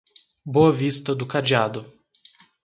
Boa Vista do Cadeado